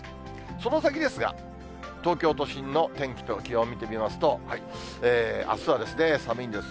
その先ですが、東京都心の天気と気温見てみますと、あすは寒いんです。